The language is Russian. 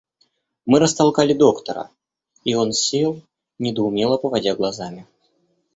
Мы растолкали доктора, и он сел, недоумело поводя глазами.